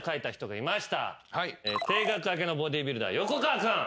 停学明けのボディビルダー横川君。